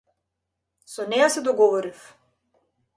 Со неа се договорив.